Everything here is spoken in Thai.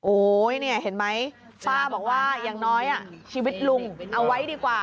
เนี่ยเห็นไหมป้าบอกว่าอย่างน้อยชีวิตลุงเอาไว้ดีกว่า